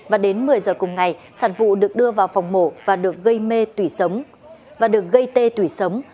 và đến một mươi giờ cùng ngày sản phụ được đưa vào phòng mổ và được gây mê tủy sống và được gây tê tủy sống